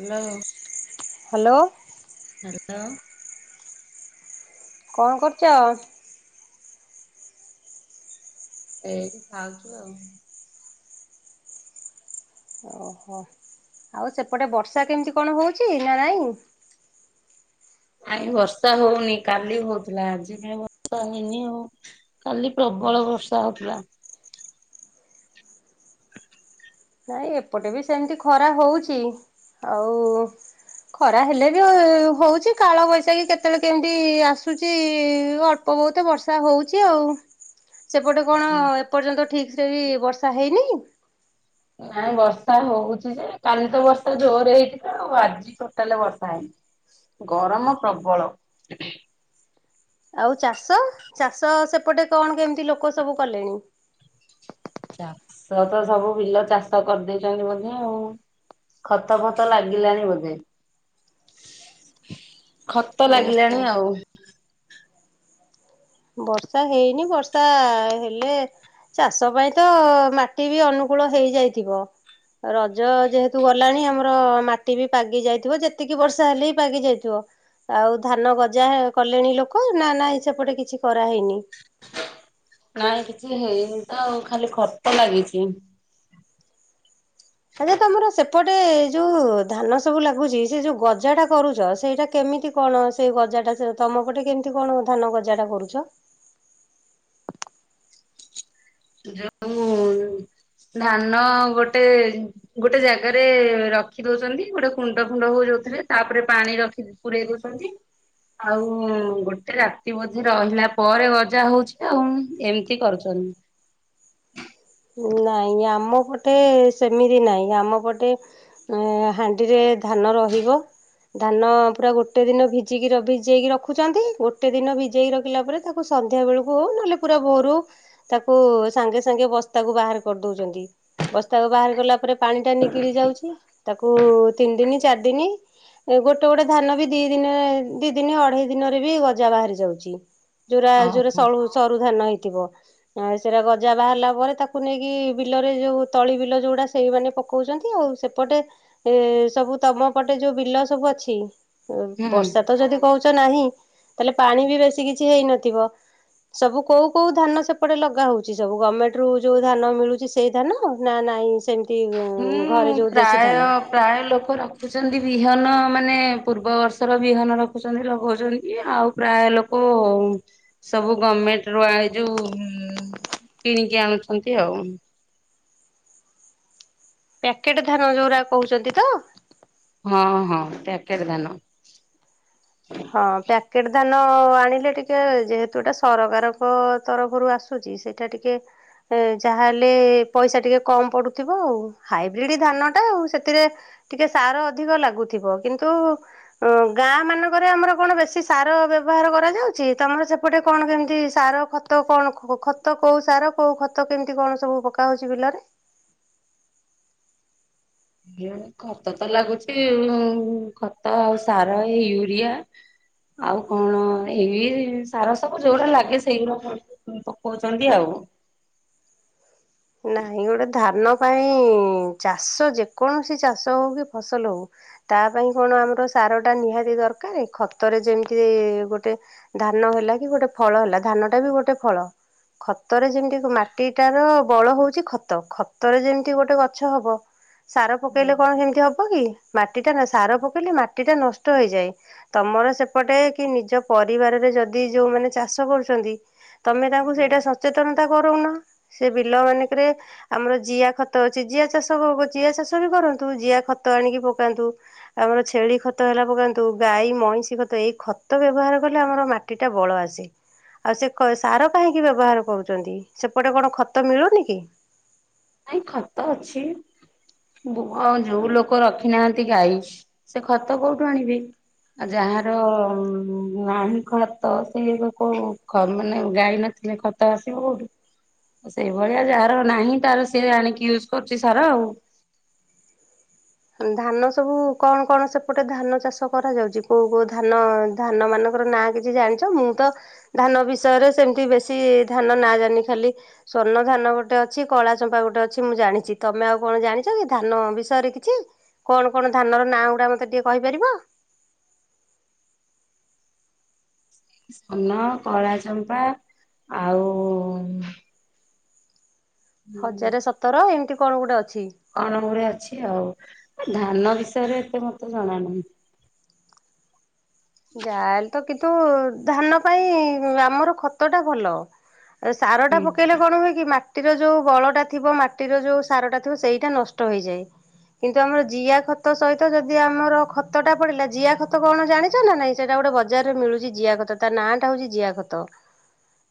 Hello. Hello. Hello. କଁ କରୁଛ। ଏଇଠି ଖାଉଛୁ ଆଉ। ଓହୋ ଆଉ ସେପଟେ ବର୍ଷା କେମିତି କଣ ହେଉଛି ନା ନାଇଁ। ଆଜି ବର୍ଷା ହଉନି କାଲି ହଉଥିଲା ଆଜି କାଇଁ ବର୍ଷା ହେଇନି ଆଉ। କାଲି ପ୍ରବଳ ବର୍ଷା ହଉଥିଲା। ନାଇଁ ଏପଟେ ବି ସେମିତି ଖରା‌ ହଉଛି ଆଉ। ଖରା ହେଲେ ବି ହଉଛି କାଳ ବୈଶାଖୀ କେତେବେଳେ କେମିତି ଆସୁଛି ଅ ଅଳ୍ପ ବହୁତ ବର୍ଷା ହଉଛି ଆଉ। ସେପଟେ କଁ ଏପର୍ଯ୍ୟନ୍ତ ଠିକ ସେ ବି ବର୍ଷା ହେଇନି। ନାଇଁ ବର୍ଷା ହଉଚି ଯେ କାଲି ତ ବର୍ଷା ଜୋର ହେଇ ଥିଲା ଆଉ ଆଜି। ଟୋଟାଲେ ବର୍ଷା ହେଇନି ଗରମ ପ୍ରବଳ। ଆଉ ଚାଷ ଚାଷ ସେପଟେ କଣ କେମିତି ଲୋକ ସବୁ କଲେଣି। ଚାଷ ତ ସବୁ ବିଲ ଚାଷ କରି ଦେଇଛନ୍ତି ବୋଧେ ଆଉ। ଖତ ଫତ ଲାଗିଲାଣି ବୋଧେ।। ଖତ ଲାଗିଲାଣି ଓହୋ ଆଉ। ବର୍ଷା ହେଇନି ବର୍ଷା ହେଲେ ଚାଷ ପାଇଁ ତ ମାଟି ବି ଅନୁକୂଳ ହେଇଯାଇଥିବ। ରଜ ଯେହେତୁ ଗଲାଣି ଆମର ମାଟି ବି ପାଗି ଯାଇଥିବ। ଯେତିକି ବର୍ଷା ହେଲେ ବି ପାଗି ଯାଇଥିବ। ଆଉ ଧାନ ଗଜା ହେ କଲେଣି ଲୋକ ନା ନାଇ ସେପଟେ କିଛି କରାହେଇନି? ନାଇଁ କିଛି ହେଇନି ତ ଖାଲି ଖତ ଲାଗିଚି। ଆଜ୍ଞା ତମର ସେପଟେ ଯୋଉ ଧାନ ସବୁ ଲାଗୁଚି ସେଇ ଯୋଉ ଗଜାଟା କରୁଚ ସେଇଟା କେମିତି କଣ ସେଇ ଗଜାଟା ସେ ତମ ପଟେ କେମତି କଣ ଧାନ ଗଜାଟା କରୁଚ? ଯୋଉ ଧାନ ଗୋଟେ ଗୋଟେ ଜାଗାରେ ରଖି ଦୋଉଚନ୍ତି ଗୋଟେ କୁଣ୍ଡ ଫୁଣ୍ଡ ହୋଉ ଯୋଉଥିରେ ତାପରେ ପାଣି ରଖି ପୁରେଇ ଦୋଉଛନ୍ତି ଆଉ ଗୋଟେ ରାତି ବୋଧେ ରହିଲା ପରେ ଗଜା ହୋଉଚି ଆଉ ଏମତି କରୁଚନ୍ ନାଇଁ ଆମ ପଟେ ସେମିତି ନାଇଁ ଆମ ପଟେ ହାଣ୍ଡିରେ ଧାନ ରହିବ ଧାନ ପୁରା ଗୋଟେ ଦିନ ଭିଜିକି ର ଭିଜେଇକି ରଖୁଚନ୍ତି ଗୋଟେ ଦିନ ଭିଜେଇକି ରଖିଲା ପରେ ତାକୁ ସନ୍ଧ୍ୟା ବେଳକୁ ନହେଲେ ପୁରା ଭୋରୁ ତାକୁ ସାଙ୍ଗେ ସାଙ୍ଗେ ବସ୍ ତାକୁ ବାହାର କରିଦୋଉଚନ୍ତି। ବସ୍ତାକୁ ବାହାର କଲା ପରେ ପାଣିଟା ନିଗିରି ଯାଉଚି ତାକୁ ତିନି ଦିନି ଚାରି ଦିନି ଏ ଗୋଟେ ଗୋଟେ ଧାନ ବି ଦିଇ ଦିନେ ଦିଇ ଦିନ ଅଢେଇ ଦିନରେ ବି ଗଜା ବାହାରି ଯାଉଚି। ଯୋଉରା ଯୋଉରା ଓହୋ ସଳୁ ସରୁ ଧାନ ହେଇଥିବ ଆଁ ସେରା ଗଜା ବାହାରିଲା ପରେ ତା କୁ ନେଇକି ବିଲରେ ଯୋଉ ତଳି ବିଲ ଯୋଉଗୁଡ଼ା ସେଇମାନେ ପକୋଉଚନ୍ତି ଆଉ ସେପଟେ ଏ ସବୁ ତମ ପଟେ ଯୋଉ ବିଲ ସବୁ ଅଛି ଏ ହୁଁ ବର୍ଷା ତ ଯଦି କହୁଚ ନାହିଁ ତାହେଲେ ପାଣି ବି ବେଶୀ କିଛି ହେଇନଥିବ ସବୁ କୋଉ କୋଉ ଧାନ ସେପଟେ ଲଗା ହୋଉଚି ସବୁ ଗମେଣ୍ଟରୁ ଯୋଉ ଧାନ ମିଳୁଚି ସେଇ ଧାନ ନା ନାଇଁ ସେମତି ହୁଁ ଏଇ ଘରେ ଯୋଉ ପ୍ରାୟ ଦେଶୀ ଧାନ? ପ୍ରାୟ ଲୋକ ରଖୁଛନ୍ତି ବିହନ ମାନେ ପୂର୍ବ ବର୍ଷର ବିହନ ରଖୁଛନ୍ତି ଲଗୋଉଛନ୍ତି ଆଉ ପ୍ରାୟ ଲୋକ ସବୁ ଗମେଣ୍ଟରୁ ଆ ଏଇ ଯୋଉ ଉଁ କିଣିକି ଆଣୁଛନ୍ତି ଆଉ। ପ୍ୟାକେଟ ଧାନ ଯୋଉରା କୋହୁଛନ୍ତି ତ? ହଁ ହଁ ପ୍ୟାକେଟ ଧାନ। ହଁ ପ୍ୟାକେଟ୍ ଧାନ ଆଣିଲେ ଟିକେ ଯେହେତୁ ଏଟା ସରକାରଙ୍କ ତରଫରୁ ଆସୁ ସୁଚି ସେଇଟା ଟିକେ ଏ ଯାହାହେଲେ ପଇସା ଟିକେ କମ ପଡୁଥିବ ଆଉ ହାଇବ୍ରିଡି ଧାନଟା ଆଉ ସେଥିରେ ଟିକେ ସାର ଅଧିକ ଲାଗୁଥିବ କିନ୍ତୁ ଅ ଗାଁ ମାନ କରେ ଆମର କଣ ବେଶୀ ସାର ବ୍ୟବହାର କରାଯାଉଚି ତମର ସେପଟେ କଣ କେମିତି ସାର ଖତ କଣ କୋ ଖ ତ କୋଉ ସାର କୋଉ ଖତ କେମିତି କଣ ସବୁ ପକା ହୋଉଚି ବିଲରେ? [inaudible] ଖତ ତ ଲାଗୁଚି ଉଁ ଖତ ଆଉ ସାର ଏଇ ୟୁରିଆ ଆଉ କଣ ଏଇ ସାର ସବୁ ଯୋଉଗୁଡା ଲାଗେ ସେଇଗୁଡା ପଡି ଉଁ ପକୋଉଚନ୍ତି ଆଉ। ନାଇଁ ଗୋଟେ ଧାନ ପାଇଁ ଚାଷ ଯେକୌଣସି ଚାଷ ହୋଉ କି ଫସଲ ହୋଉ ତା ପାଇଁ କଣ ଆମର ସାରଟା ନିହାତି ଦରକାରେ ଖତରେ ଯେମିତି ଗୋଟେ ଧାନ ହେଲା କି ଗୋଟେ ଫଳ ହେଲା ଧାନଟା ବି ଗୋଟେ ଫଳ। ଖତରେ ଯେମିତି ମାଟିଟା ର ବଳ ହୋଉଚି ଖତ ଖତରେ ଯେମତି ଗୋଟେ ଗଛ ହବ ସାର ହୁଁ ପକେଇଲେ କଣ ହୁଁ। ସେମତି ହବ କି ମାଟିଟା ନା ସାର ପକେଇଲେ ମାଟିଟା ନଷ୍ଟ ହେଇଯାଏ। ତମର ସେପଟେ କି ନିଜ ପରିବାରରେ ଯଦି ଯୋଉମାନେ ଚାଷ କରୁଛନ୍ତି ତମେ ତାଙ୍କୁ ହୁଁ। ସେଇଟା ସଚେତନତା କରୋଉନ ସିଏ ବିଲ ମାନଙ୍କରେ ଆମର ଜିଆ ଖତ ଅଛି ଜିଆ ଚାଷ ବବ ଜିଆ ଚାଷ ବି କରନ୍ତୁ ଜିଆ ଖତ ଆଣିକି ପକାନ୍ତୁ। ଆମର ଛେଳି ଖତ ହେଲା ପକାନ୍ତୁ ଗାଈ, ମଇଁଷି ଖତ ଏଇ ଖତ ବ୍ୟବହାର କଲେ ଆମର ମା ମାଟି ଟା ବଳ ଆସେ ଆଉ ସେ କ ସାର କାହିଁକି ବ୍ୟବହାର କରୁଛନ୍ତି ସେପଟେ କଣ ଖ ତ ମିଳୁନି କି? ନାଇଁ ଖତ ଅଛି। ହଁ ଯୋଉ ଲୋକ ରଖିନାହାନ୍ତି ଗାଈ ସେ ଖତ କୋଉଠୁ ଆଣିବେ? ଆଉ ଯାହାର ଉଁ ନାହିଁ ଖତ ସେ ଏବେ କୋଉ ଖ ମାନେ ଗାଈ ନଥିଲେ ଖ ତ ଆସିବ କୋଉଠୁ ସେଇଭଳିଆ ଯାହାର ନାହିଁ ତାର ସିଏ ଆଣିକି ୟୁଜ୍ କରୁଛି ସାର ଆଉ। ଧାନ ସବୁ କଣ କଣ ସେପଟେ ଧାନ ଚାଷ କରାଯାଉଛି କୋଉ କୋଉ ଧାନ ଧାନ ମାନଙ୍କର ନାଁ କିଛି ଜାଣିଛ ମୁଁ ତ ଧାନ ବିଷୟରେ ସେମିତି ବେଶୀ ଧାନ ନାଁ ଜାଣିନି ଖାଲି ସ୍ଵର୍ଣ୍ଣ ଧାନ ଗୋଟେ ଅଛି କଳା ଚମ୍ପା ଗୋଟେ ଅଛି ମୁଁ ଜାଣିଛି ତମେ ଆଉ କଣ ଜାଣିଛ କି ଧାନ ବିଷୟରେ କିଛି। କଣ କଣ ଧାନର ନାଁ ଗୁଡ଼ା ମତେ ଟିକେ କହିପାରିବ? ସ୍ଵର୍ଣ୍ଣ କଳା ଚମ୍ପା ଆଉ ହଜାରେ ସତର ଏମିତି କଣ ଗୋଟେ ଅଛି। କଣ ଗୋଟେ ଅଛି ଆଉ ଧାନ ବିଷୟରେ ଏତେ ମତେ ଜଣାନାହିଁ। ଯାହେଲେ ତ କିନ୍ତୁ ଧାନ ପାଇଁ ଆମର ଖତ ଟା ଭଲ। ଏ ସାର ଟା ହୁଁ ପକେଇଲେ କଣ ହୁଏ କି ମା ଟିର ଯୋଉ ବଳଟା ଥିବ ମାଟିର ଯୋଉ ସାରଟା ଥିବ ସେଇଟା ନଷ୍ଟ ହେଇଯାଏ। କିନ୍ତୁ ଆମର ଜିଆ ଖତ ସହିତ ଯଦି ଆମର ଖତ ଟା ପଡିଲା ଜିଆ ଖତ କଣ ଜାଣି ଛ ନାଁ ନାଇଁ ସେଇଟା ଗୋଟେ ବଜାରରେ ମିଳୁଛି ଜିଆ ଖତ ତା ନାଁ ଟା ହଉଛି ଜିଆ ଖତ।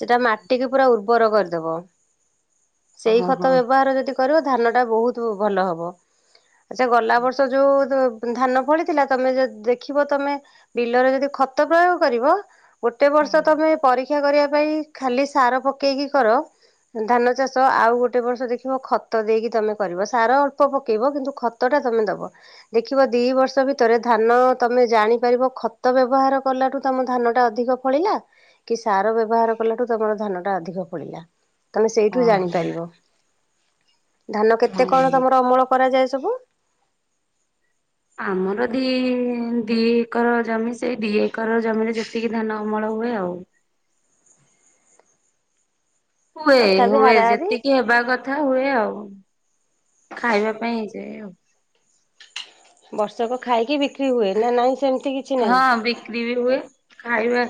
ସେଇଟା ମାଟିକି ପୁରା ଉର୍ବର କରିଦବ ସେଇ ଖତ ଓହୋ ବ୍ୟବହାର ଯଦି କରିବ ଧାନ ଟା ବହୁତ ଭଲ ହବ ଆଛା ଗଲା ବର୍ଷ ଯୋଉ ଦ ଧାନ ଫଳିଥିଲା ତମେ ଯଦି ଦେଖିବ ତମେ ବିଲରେ ଯଦି ଖତ ପ୍ରୟୋଗ କରିବ ଗୋଟେ ବର୍ଷ ତମେ ପରୀକ୍ଷା କରିବା ପାଇଁ ଖାଲି ସାର ପକେଇକି କର ଧାନ ଚାଷ ଆଉ ଗୋଟେ ବର୍ଷ ଦେଖିବ ଖତ ଦେଇକି ତମେ କରିବ ସାର ଅଳ୍ପ ପକେଇବ କିନ୍ତୁ ଖ ତ ଟା ତମେ ଦବ ଦେଖିବ ଦି ବର୍ଷ ଭିତରେ ଧାନ ତମେ ଜାଣିପାରିବ ଖତ ବ୍ୟବହାର କଲାଠୁ ତମ ଧାନ ଟା ଅଧିକ ଫଳିଲା କି ସାର ବ୍ୟବହାର କଲାଠୁ ତମର ଧାନ ଟା ଅଧିକ ଫଳିଲା ତମେ ସେଇଠୁ ଓହୋ ଜାଣିପାରିବ। ଧାନ କେତେ କଣ ହଁ। ତମର ଅମଳ କରାଯାଏ ସବୁ? ଆମର ଦି ଦି ଏକର ଜମି ସେଇ ଦି ଏକର ଜମିରେ ଯେତିକି ଧାନ ଅମଳ ହୁଏ ଆଉ। ହୁଏ ତଥାପି ହୁଏ ହାରାହାରି ଯେତିକି ହେ ହେବା କଥା ହୁଏ ଆଉ ଖାଇବା ପାଇଁ ହେଇଯାଏ ଆଉ। ବର୍ଷକ ଖାଇକି ବିକ୍ରି ହୁଏ ନାଁ ନାଇଁ ସେମିତି କିଛି ନାହିଁ? ହଁ ବିକ୍ରି ବି ହୁଏ ଖାଇବା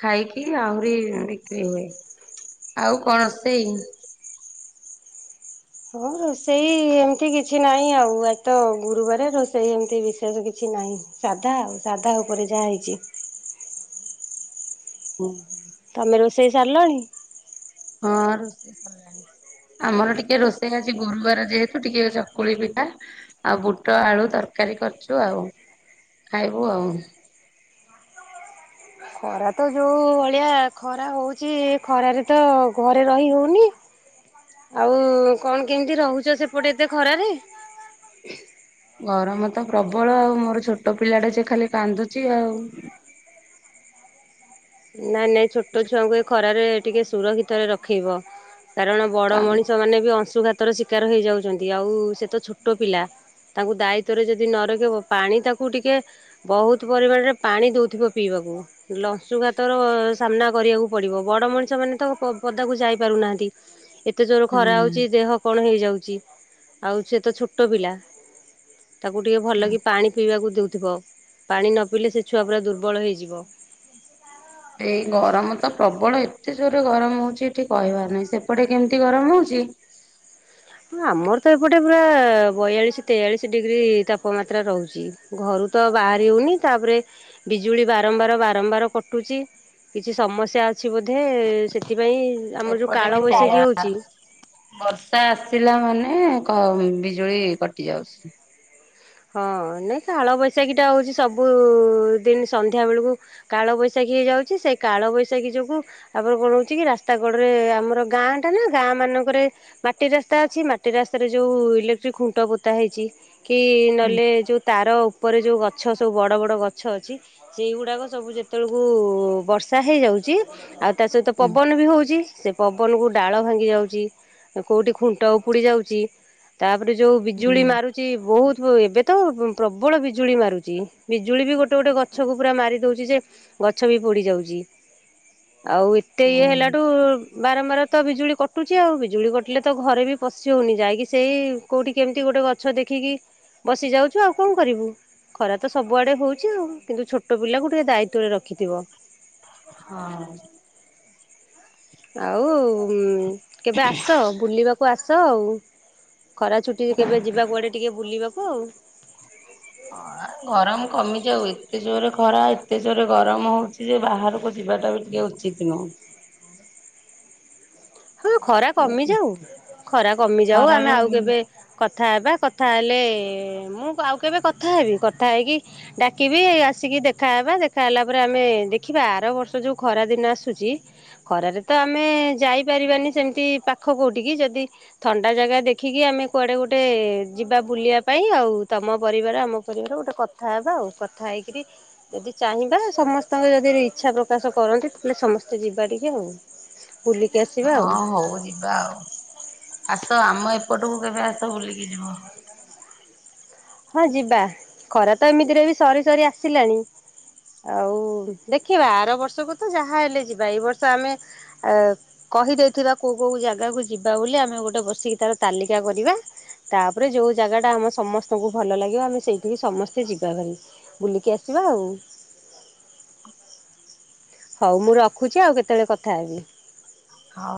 ଖାଇକି ଆହୁରି ବିକ୍ରି ହୁଏ। ଆଉ କଣ ରୋଷେଇ? ହଁ ରୋଷେଇ ଏମିତି କିଛି ନାହିଁ ଆଉ ଆଜି ତ ଗୁରୁବାର ରୋଷେଇ ଏମିତି ବିଶେଷ କିଛି ନାହିଁ। ସାଧା ଆଉ ସାଧା ଉପରେ ଯାହା ହେଇଛି। ହୁଁ। ତମେ ରୋଷେଇ ସାରିଲଣି? ହଁ ରୋଷେଇ ସରିଲାଣି। ଆମର ଟିକେ ରୋଷେଇ ଆଜି ଗୁରୁବାର ଯେହେତୁ ଟିକେ ଚକୁଳି ପିଠା ଆଉ ବୁଟ ଆଳୁ ତରକାରୀ କରିଛୁ ଆଉ ଖାଇବୁ ଆଉ। ଖରା ତ ଯୋଉ ଭଳିଆ ଖରା ହଉଛି ଖରାରେ ତ ଘରେ ରହି ହଉନି। ଆଉ କଣ କେମିତି ରହୁଛ ସେପଟେ ଏତେ ଖରାରେ? ଗରମ ତ ପ୍ରବଳ ଆଉ ମୋର ଛୋଟ ପିଲା ଟା ସେ ଖାଲି କାନ୍ଦୁଛି ଆଉ। ନାଇଁ ନାଇଁ ଛୋଟ ଛୁଆଙ୍କୁ ଏ ଖରାରେ ଟିକେ ସୁରକ୍ଷିତରେ ରଖେଇବ କାରଣ ବଡ କାନ୍ ମଣିଷ ମାନେ ବି ଅଂଶୁଘାତର ଶିକାର ହେଇଯାଉଛନ୍ତି ଆଉ ସେ ତ ଛୋଟ ପିଲା। ତାଙ୍କୁ ଦାୟିତ୍ଵରେ ଯେଦି ନ ରଖିବ ପାଣି ତାକୁ ଟିକେ ବହୁତ ପରିମାଣରେ ପାଣି ଦଉଥିବ ପିଇବାକୁ ଲ ଅଂଶୁଘାତ ଘାତର ସାମ୍ନା କରିବାକୁ ପଡିବ ବଡ଼ ମଣିଷ ମାନେ ତ ପ ପଦାକୁ ଯାଇ ପାରୁନାହାନ୍ତି। ଏତେ ଜୋର ଖରା ହୁଁ। ହଉଛି ଦେହ କଣ ହେଇଯାଉଚି। ଆଉ ସେ ତ ଛୋଟ ପିଲା ତାକୁ ଟିକିଏ ଭଲ କି ପାଣି ପିଇବାକୁ ଦେଉଥିବ। ପାଣି ନ ପିଇଲେ ସେ ଛୁଆ ପୁରା ଦୁର୍ବଳ ହେଇଯିବ। ଏଇ ଗରମ ତ ପ୍ରବଳ ଏତେ ଜୋର୍ ରେ ଗରମ ହଉଛି ଏଠି କହିବାର ନାହିଁ ସେପଟେ କେମିତି ଗରମ ହଉଛି? ଆମର ତ ଏପଟେ ପୁରା ବୟାଳିଶ ତେୟାଳିଶ ଡିଗ୍ରୀ ତାପମାତ୍ରା ରହୁଛି। ଘରୁ ତ ବାହାରି ହଉନି ତାପରେ ବିଜୁଳି ବାରମ୍ବାର ବାରମ୍ବାର କଟୁଚି। କିଛି ସମସ୍ୟା ଅଛି ବୋଧେ ସେଥିପାଇଁ ଆମର ଯୋଉ ଏପଟେ ବି ସେଇଆ। କାଳବୈଶାଖୀ ହଉଛି ବର୍ଷା ଆସିଲା ମାନେ କ ବିଜୁଳି କଟି ଯାଉଛି। ହଁ ନାଇଁ କାଳବୈଶାଖୀ ଟା ହଉଛି ସବୁ ଦିନ ସନ୍ଧ୍ୟା ବେଳକୁ କାଳବୈଶାଖୀ ହେଇଯାଉଛି ସେଇ କାଳବୈଶାଖୀ ଯୋଗୁଁ ତା ପରେ କଣ ହଉଛି କି ରାସ୍ତା କଡରେ ଆମର ଗାଁ ଟା ନା ଗାଁ ମାନଙ୍କରେ ମାଟି ରାସ୍ତା ଅଛି ମାଟି ରାସ୍ତାରେ ଯୋଉ ଇଲେକ୍ଟ୍ରିକ୍ ଖୁଣ୍ଟ ପୋତା ହେଇଛି କି ହୁଁ ନହେଲେ ଯୋଉ ତାର ଉପରେ ଯୋଉ ଗଛ ସବୁ ବଡ଼ ବଡ଼ ଗଛ ଅଛି ସେଇଗୁଡାକ ସବୁ ଯେତେବେଳକୁ ବର୍ଷା ହେଇଯାଉଛି ଆଉ ତା ସହିତ ହୁଁ ପବନ ବି ହଉଛି ସେ ପବନକୁ ଡାଳ ଭାଙ୍ଗି ଯାଉଚି କୋଉଠି ଖୁଣ୍ଟ ଉପୁଡ଼ି ଯାଉଚି। ତାପରେ ଯୋଉ ହୁଁ ବିଜୁଳି ମାରୁଛି ବହୁତ୍ ଏବେ ତ ପ୍ରବଳ ବିଜୁଳି ମାରୁଛି ବିଜୁଳି ବି ଗୋଟେ ଗୋଟେ ଗଛକୁ ପୁରା ମାରି ଦଉଛି ଯେ ଗଛ ବି ପୋଡି ଯାଉଛି ଆଉ ଏତେ ଇଏ ହେଲାଠୁ ବାରମ୍ବାର ତ ବିଜୁଳି କଟୁଚି ଆଉ ବିଜୁଳି କଟିଲେ ତ ଘରେ ବି ପଶି ହଉନି ଯାଇକି ସେଇ କୋଉଠି କେମିତି ଗୋଟେ ଗଛ ଦେଖିକି ବସି ଯାଉଛୁ ଆଉ କଣ କରିବୁ। ଖରା ତ ସବୁଆଡେ ହଉଛି ଆଉ। କିନ୍ତୁ ଛୋଟ ପିଲାକୁ ଟିକେ ଦାୟିତ୍ଵରେ ରଖିଥିବ। ହଁ। ଆଉ କେବେ ଆସ ବୁଲିବାକୁ ଆସ ଆଉ। ଖରା ଛୁଟିରେ କେବେ ଯିବା କୁୁଆଡେ ଟିକେ ବୁଲିବାକୁ ଆଉ। ହଁ ଗରମ କମିଯାଉ ଏତେ ଜୋରେ ଖରା ଏତେ ଜୋରେ ଗରମ ହଉଛି ଯେ ବାହାରକୁ ଯିବାଟା ବି। ଇଏ ଉଚିତ୍ ନୁହଁ। ଖରା ନୁହଁ। କମିଯାଉ। ଖରା କମିଯାଉ ଖରାରେ ଆମେ ଆଉ କେବେ। କଥା ହେବା। କଥା ହେଲେ ମୁଁ ଆଉ କେବେ କଥା ହେବି କଥା ହେଇକି। ଡାକିବି ଆସିକି ଦେଖାହବା ଦେଖା ହେଲା ପରେ ଆମେ ଦେଖିବା ଆର ବର୍ଷ ଯୋଉ ଖରା ଦିନ ଆସୁଚି। ଖରାରେ ତ ଆମେ ଯାଇପାରିବାନି ସେମିତି ପାଖ କୋଉଠିକି ଯଦି ଥଣ୍ଡା ଜାଗା ଦେଖିକି ଆମେ କୁଆଡେ ଗୋଟେ ଯିବା ବୁଲିବା ପାଇଁ ଆଉ ତମ ପରିବାର ଆମ ପରିବାର ଗୋଟେ କଥା। କଥା ହେବା ଆଉ କଥା ହେଇକିରି ଯଦି ଚାହିଁବା ସମସ୍ତଙ୍କ ଯଦି ଇଚ୍ଛା ପ୍ରକାଶ କରନ୍ତି ତାହେଲେ ସମସ୍ତେ ଯିବା ଟିକେ ଆଉ। ବୁଲିକି ଆସି। ଅ ହଉ ଯିବା ଆଉ ଆସ ଆମ ଏପଟକୁ କେବେ ଆସ ବୁଲିକି ଯିବ। ହଁ ଯିବା। ଖରା ତ ଏମିତିରେ ବି ସରି ସରି ଆସିଲାଣି। ଆଉ ଦେଖିବା ଆର ବର୍ଷକୁ ତ ଯାହା ହେଲେ ଯିବା। ଏଇ ବର୍ଷ ଆମେ ଆ। କହିଦେଇଥିବା କୋଉ କୋଉ ଜାଗାକୁ ଯିବା ବୋଲି ଆମେ ଗୋଟେ ବସିକି ତାର ତାଲିକା କରିବା। ତାପରେ ଯୋଉ ଜାଗା ଟା ଆମ ସମସ୍ତେ କୁ ଭଲ ଲାଗିବ ଆମେ ସେଇଠିକି ସମସ୍ତେ ଯିବା ଭାରି ବୁଲିକି ଆସିବା ଆଉ। ହଉ ମୁଁ ରଖୁଛି। ଆଉ କେତେବେଳେ କଥା ହେବି। ହଉ।